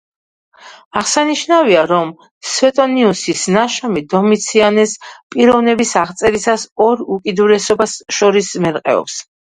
აღსანიშნავია, რომ სვეტონიუსის ნაშრომი დომიციანეს პიროვნების აღწერისას ორ უკიდურესობას შორის მერყეობს.